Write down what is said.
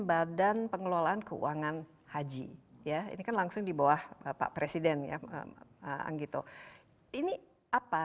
badan pengelolaan keuangan haji ya ini kan langsung dibawah bapak presiden ya anggito ini apa